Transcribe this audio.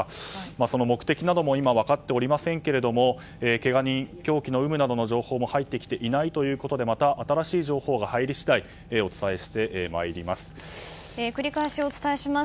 その目的などもまだ分かっておりませんがけが人、凶器の有無などの情報も入ってきていないということでまた新しい情報が入り次第お伝えしてまいります。